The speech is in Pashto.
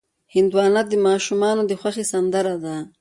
هندوانه د ماشومانو د خوښې سندره ده.